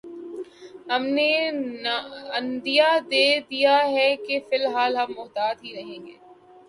ہم نے عندیہ دے دیا ہے کہ فی الحال ہم محتاط ہی رہیں گے۔